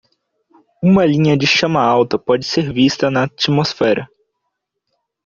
Uma linha de chama alta pode ser vista na atmosfera.